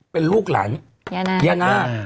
เป็นลูกหลานย่านาค